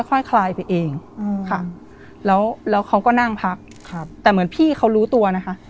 ค่อยคลายไปเองค่ะแล้วเขาก็นั่งพักแต่เหมือนพี่เขารู้ตัวนะคะ